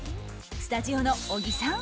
スタジオの小木さん